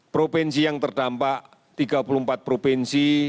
provinsi yang terdampak tiga puluh empat provinsi